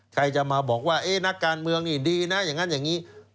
ใครจะมาบอกว่านักการเมืองนี่ดีนะอย่างนั้นอย่างนี้